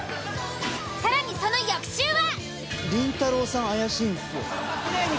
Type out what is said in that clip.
更にその翌週は。